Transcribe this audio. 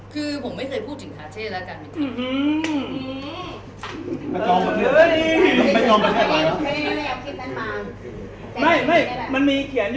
คือคุณต้องแจ้งรายละเอียดเข้ามานะครับ